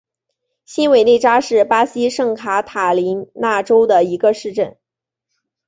新韦内扎是巴西圣卡塔琳娜州的一个市镇。